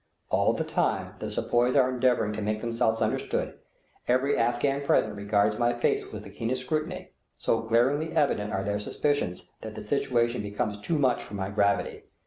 All the time the sepoys are endeavoring to make themselves understood, every Afghan present regards my face with the keenest scrutiny; so glaringly evident are their suspicions that the situation becomes too much for my gravity.